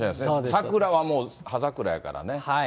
桜はもう葉桜やからね。